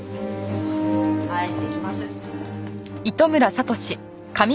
返してきます。